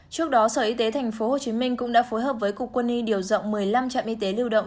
trước đó sở y tế tp hcm cũng đã phối hợp với cục quân y điều rộng một mươi năm trạm y tế lưu động